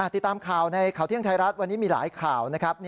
ติดตามข่าวในข่าวเที่ยงไทยรัฐวันนี้มีหลายข่าวนะครับ